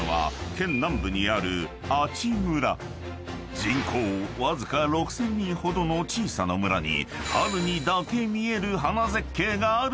［人口わずか６，０００人ほどの小さな村に春にだけ見える花絶景があるというのだが］